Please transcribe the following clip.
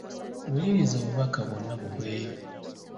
Wuliriza obubaka bwonna buggweeyo.